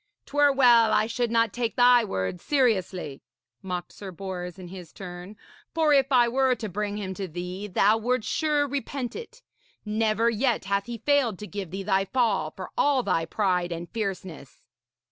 ''Twere well I should not take thy words seriously,' mocked Sir Bors in his turn. 'For if I were to bring him to thee, thou wouldst sure repent it. Never yet hath he failed to give thee thy fall, for all thy pride and fierceness.'